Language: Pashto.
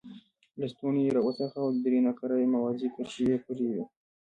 لستوڼی یې را وڅرخاوه او درې نقره یي موازي کرښې یې پرې وې.